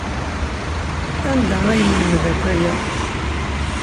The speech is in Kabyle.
Anda ay yelmed akk aya?